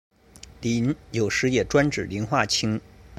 膦有时也专指磷化氢。